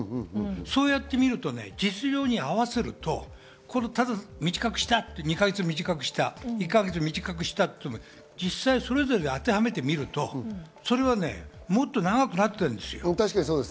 そうやってみると実情に合わせるとただ短くした、２か月短くした、１か月短くしたって実際それぞれ当てはめてみるともっと長くなってるんですよ。